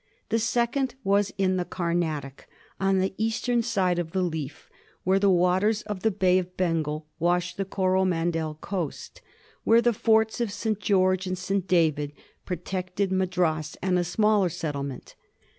The second was in the Camatic, on the eastern side of the leaf, where the waters of the Bay of Bengal wash the Coromandel coast, where the forts of *St. George and St. David protected Madras and a smaller settlement.